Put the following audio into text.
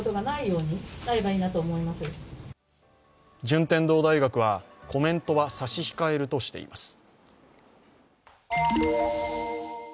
順天堂大学はコメントは差し控えるとしています。